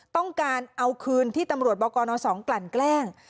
ต้องการเอาคืนที่ตำรวจบกน๒กลั่นแกล้ง